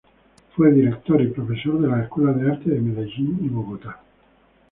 Fue director y profesor de las Escuelas de Artes de Medellín y Bogotá.